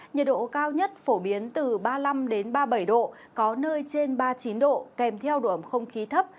nhiệt độ cao nhất phổ biến từ ba mươi năm ba mươi bảy độ có nơi trên ba mươi chín độ kèm theo độ ẩm không khí thấp